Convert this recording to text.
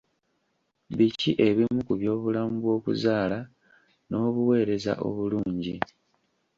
Biki ebimu ku by'obulamu bw'okuzaala n'obuweereza obulungi?